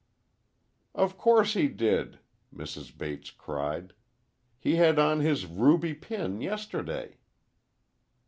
"Of course he did," Mrs. Bates cried. "He had on his ruby pin yesterday."